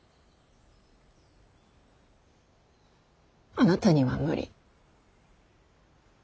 あなたには無理。